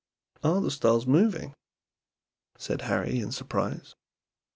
"Are the stars moving?" said Harry, in surprise.